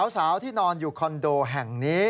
สาวที่นอนอยู่คอนโดแห่งนี้